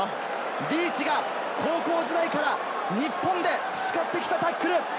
リーチが高校時代から日本で培ってきたタックル。